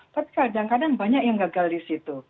tapi kadang kadang banyak yang gagal disitu